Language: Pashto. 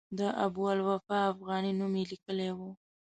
د ابوالوفاء افغاني نوم یې لیکلی و.